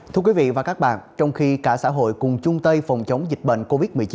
thưa quý vị và các bạn trong khi cả xã hội cùng chung tay phòng chống dịch bệnh covid một mươi chín